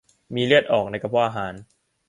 มีเลือดออกในกระเพาะอาหาร